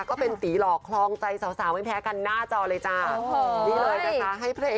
ก็เป็นตีหล่อคลองใจสาวไม่แพ้กันน่าจอเลยจ้า